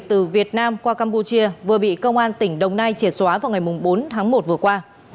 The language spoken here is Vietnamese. từ việt nam qua campuchia vừa bị công an tỉnh đồng nai triệt xóa vào ngày bốn tháng một vừa qua